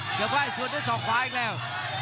เสียบ้ายสวยด้วยสอกขวาอีกแล้ว